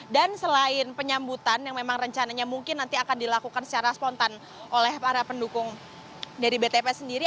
dan selain penyambutan yang memang rencananya mungkin nanti akan dilakukan secara spontan oleh para pendukung dari btp sendiri